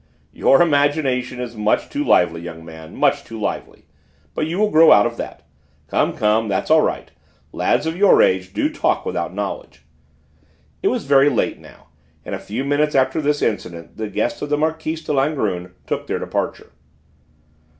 "Your imagination is much too lively, young man, much too lively. But you will grow out of that. Come, come: that's all right; lads of your age do talk without knowledge." It was very late now, and a few minutes after this incident the guests of the Marquise de Langrune took their departure.